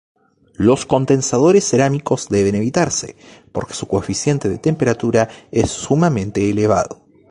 Los condensadores cerámicos deben evitarse, porque su coeficiente de temperatura es sumamente elevado.